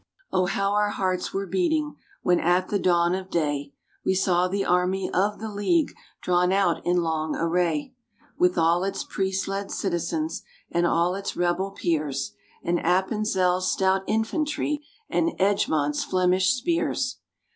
Oh ! how our hearts were beating, when, at the dawn of day, We saw the army of the League drawn out in long array; With all its priest led citizens, and all its rebel peers, And Appenzel's stout infantry and Egmont's Flemish spears.